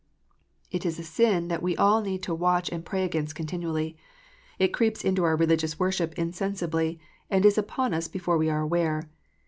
It is a sin that we all need to watch and pray against continually. It creeps into our religious worship insensibly, and is upon us before We are aware.